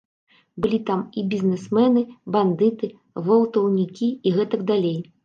Былі там і бізнэсмэны, бандыты, гвалтаўнікі і гэтак далей.